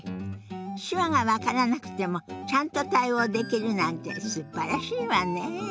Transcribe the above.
手話が分からなくてもちゃんと対応できるなんてすばらしいわね。